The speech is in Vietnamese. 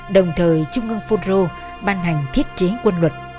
đồng thời trung ương fungro ban hành thiết chế quân luật